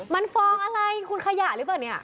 มันฟองอะไรคุณขยะหรือเปล่าเนี่ย